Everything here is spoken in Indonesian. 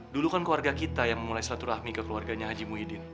dulu kan keluarga kita yang memulai selaturahmi ke keluarganya haji muhyiddin